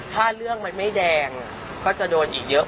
ถ้าเรื่องมันไม่แดงก็จะโดนอีกเยอะ